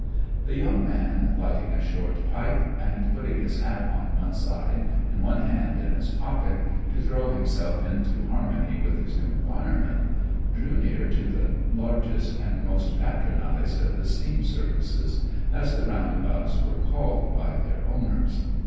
The young man, lighting a short pipe, and putting his hat on one side and one hand in his pocket, to throw himself into harmony with his new environment, drew near to the largest and most patronized of the steam circuses, as the roundabouts were called by their owners.